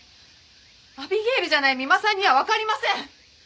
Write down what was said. アビゲイルじゃない三馬さんにはわかりません！